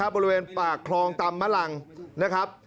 บริเวณปากคลองตำมะลังนะครับ